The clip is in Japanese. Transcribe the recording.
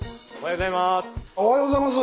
おはようございます！